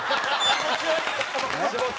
気持ち悪い！